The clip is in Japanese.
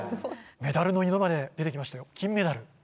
メダルの色まで出てきましたよ、金メダル。